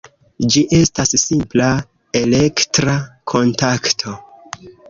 Ĝi estas simpla elektra kontakto.